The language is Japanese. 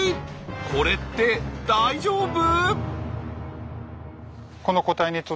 これって大丈夫？